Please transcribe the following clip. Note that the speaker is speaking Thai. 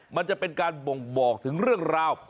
มันจะเป็นการบ่งบอกถึงเรื่องราว